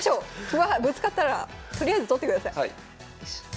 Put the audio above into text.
歩はぶつかったらとりあえず取ってください。